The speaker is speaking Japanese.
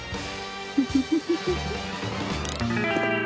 フフフフッ。